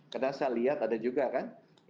karena saya lihat ada juga kan